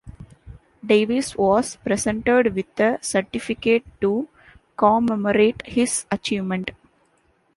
Davis was presented with a certificate to commemorate his achievement.